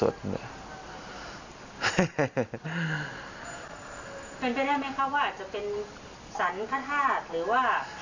เป็นไปได้ไหมคะว่าอาจจะเป็นสรรคธาตุหรือว่า